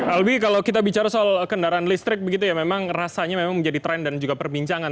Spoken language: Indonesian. albi kalau kita bicara soal kendaraan listrik begitu ya memang rasanya memang menjadi tren dan juga perbincangan